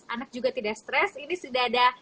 anak juga tidak stres ini sudah ada